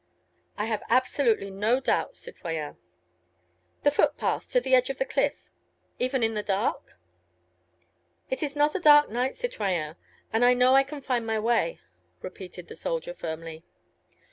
"I have absolutely no doubt, citoyen." "The footpath, to the edge of the cliff?—Even in the dark?" "It is not a dark night, citoyen, and I know I can find my way," repeated the soldier firmly.